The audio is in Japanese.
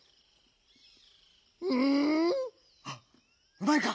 うまいか？